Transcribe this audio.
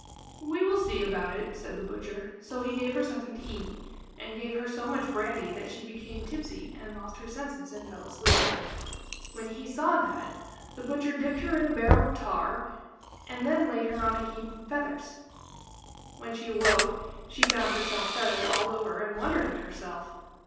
"We will see about it," said the butcher. So he gave her something to eat, and gave her so much brandy that she became tipsy and lost her senses, and fell asleep. When he saw that, the butcher dipped her in a barrel of tar, and then laid her on a heap of feathers. When she awoke she found herself feathered all over, and wondered at herself.